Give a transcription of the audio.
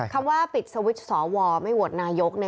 คำว่าปิดสวิตช์สวไม่โหวตนายก